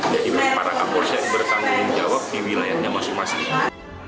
jadi para kapolis yang bertanggung jawab di wilayahnya masing masing